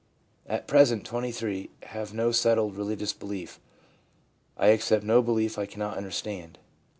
At present (23) have no settled religious belief. I accept no belief I cannot understand/ F.